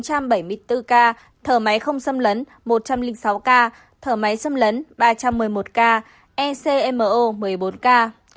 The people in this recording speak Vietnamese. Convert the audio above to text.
hai trăm bảy mươi bốn ca thở máy không xâm lấn một trăm linh sáu ca thở máy xâm lấn ba trăm một mươi một ca ecmo một mươi bốn ca